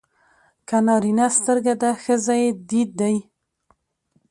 که نارینه سترګه ده ښځه يې دید دی.